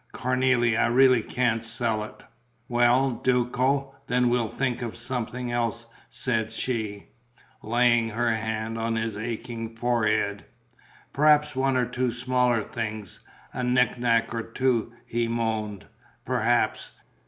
Cornélie, I really can't sell it." "Well, Duco, then we'll think of something else," said she, laying her hand on his aching forehead. "Perhaps one or two smaller things, a knickknack or two," he moaned. "Perhaps.